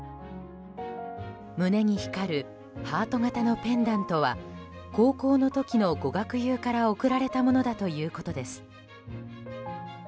胸に光るハート形のペンダントは高校の時のご学友から贈られたものだということです。